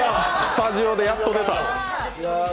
スタジオでやっと出た。